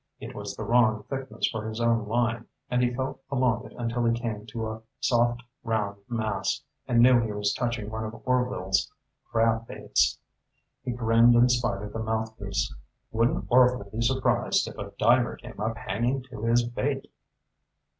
It was the wrong thickness for his own line, and he felt along it until he came to a soft, round mass, and knew he was touching one of Orvil's crab baits. He grinned in spite of the mouthpiece. Wouldn't Orvil be surprised if a diver came up hanging to his bait!